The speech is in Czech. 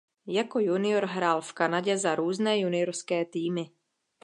Jako junior hrál v Kanadě za různé juniorské týmy.